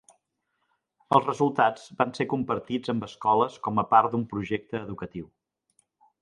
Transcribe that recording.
Els resultats van ser compartits amb escoles com a part d'un projecte educatiu.